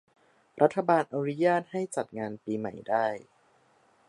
รัฐบาลอนุญาตให้จัดงานปีใหม่ได้